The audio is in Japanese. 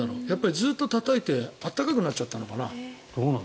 ずっとたたいて温かくなっちゃったのかな。